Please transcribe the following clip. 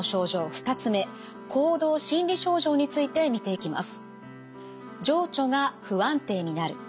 ２つ目行動・心理症状について見ていきます。